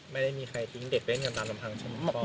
ไม่ได้มีใครทิ้งเด็กเล่นกันตามสำหรับฉันนะครับ